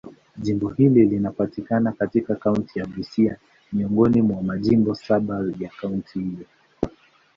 Jimbo hili linapatikana katika kaunti ya Busia, miongoni mwa majimbo saba ya kaunti hiyo.